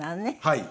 はい。